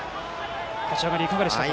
立ち上がり、いかがですか。